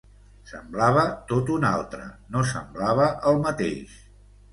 Semblava tot un altre, no semblava el mateix.